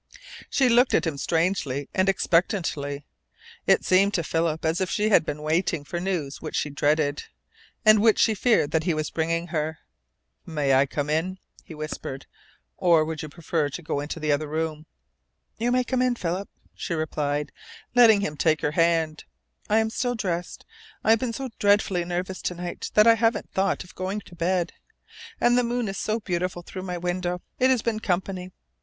She looked at him strangely and expectantly. It seemed to Philip as if she had been waiting for news which she dreaded, and which she feared that he was bringing her. "May I come in?" he whispered. "Or would you prefer to go into the other room?" "You may come in, Philip," she replied, letting him take her hand. "I am still dressed. I have been so dreadfully nervous to night that I haven't thought of going to bed. And the moon is so beautiful through my window. It has been company."